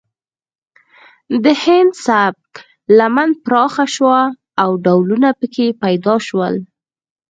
د هندي سبک لمن پراخه شوه او ډولونه پکې پیدا شول